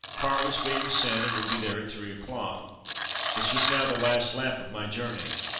A car was being sent and would be there at 3 o'clock. This was now the last lap of my journey.